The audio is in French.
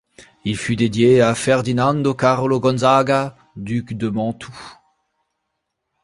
Il fut dédié à Ferdinando Carlo Gonzaga, duc de Mantoue.